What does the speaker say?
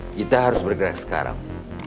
kita harus bergerak sekarang